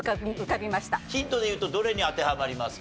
ヒントでいうとどれに当てはまりますか？